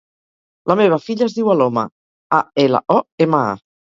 La meva filla es diu Aloma: a, ela, o, ema, a.